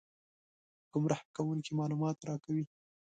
ګمراه کوونکي معلومات راکوي.